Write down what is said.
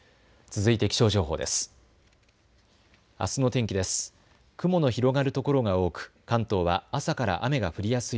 続いて気象情報です。